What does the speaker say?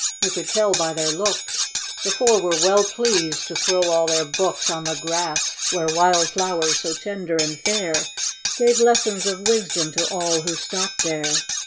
You could tell by their looks, The four were well pleased to throw all their books On the grass, where wild flowers so tender and fair, Gave lessons of wisdom to all who stopped there.